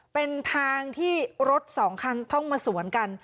เป็นทางที่รถสองคันต้องมาสวนกัน